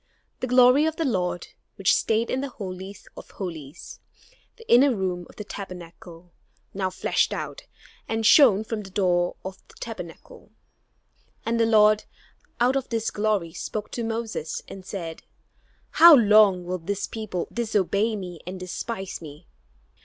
The glory of the Lord, which stayed in the Holy of Holies, the inner room of the Tabernacle, now flashed out, and shone from the door of the Tabernacle. And the Lord, out of this glory, spoke to Moses, and said, "How long will this people disobey me and despise me?